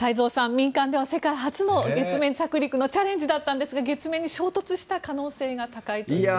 民間では世界初の月面着陸のチャレンジだったんですが月面に衝突した可能性が高いということで。